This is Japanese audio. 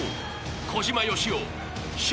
小島よしお笑